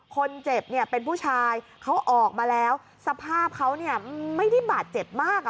คนเจ็บเป็นผู้ชายเขาออกมาแล้วสภาพเขาไม่ได้บาดเจ็บมาก